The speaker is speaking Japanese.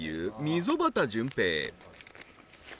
溝端淳平